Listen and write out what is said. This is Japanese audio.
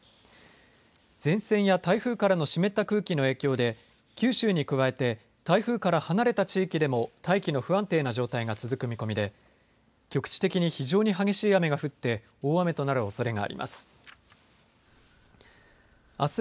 前線や台風からの湿った空気の影響で九州に加えて台風から離れた地域でも大気の不安定な状態が続く見込みで局地的に非常に激しい雨が降って大雨となるおそれがあります。